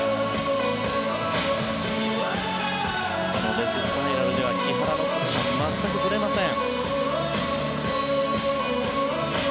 デススパイラルでは木原のポジションは全くぶれません。